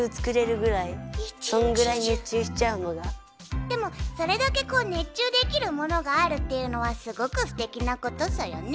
でもほんとでもそれだけこう熱中できるものがあるっていうのはすごくステキなことソヨね。